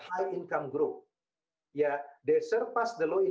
akan menjadi perusahaan zombie